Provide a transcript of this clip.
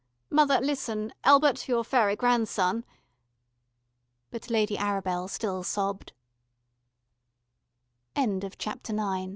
"Mother, listen, Elbert your faery grandson...." But Lady Arabel still sobbed. CHAPTER X THE DW